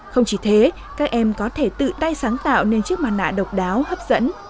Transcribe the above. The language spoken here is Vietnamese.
không chỉ thế các em có thể tự tay sáng tạo nên chiếc mặt nạ độc đáo hấp dẫn